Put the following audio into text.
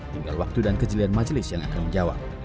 tinggal waktu dan kejelian majelis yang akan menjawab